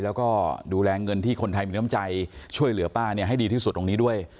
แล้วก็ดูแลเงินที่คนไทยมีน้ำใจช่วยเหลือป้าให้ดีที่สุดตรงนี้ด้วย